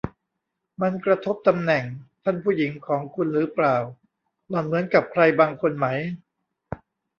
มันกระทบตำแหน่งท่านผู้หญิงของคุณหรือเปล่า หล่อนเหมือนกับใครบางคนไหม